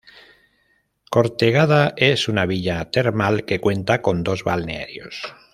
Cortegada es una villa termal, que cuenta con dos balnearios.